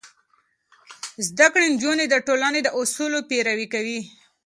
زده کړې نجونې د ټولنې د اصولو پيروي کوي.